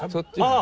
あ！